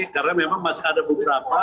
karena memang masih ada beberapa